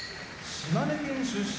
島根県出身